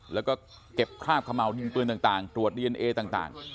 แล้วก็เก็บคราบขม่าวดินปืนต่างตรวจดีเอนเอต่าง